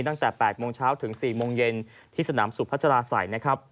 ตั้งแต่๘โมงเช้าถึง๔โมงเย็นที่สนามสุขพระจราศัย